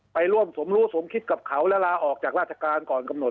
ไปร่วมสมรู้สมคิดกับเขาและลาออกจากราชการก่อนกำหนด